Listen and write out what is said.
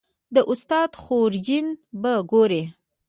د استاد خورجین به ګورې